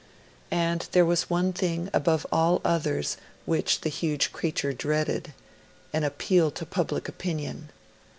And there was one thing above all others which the huge creature dreaded an appeal to public opinion.